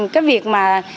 cái việc mà